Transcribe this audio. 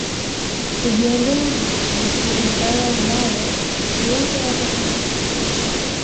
kujiondoa na iv madhara mabaya iwapo yapo hasa kwa mtu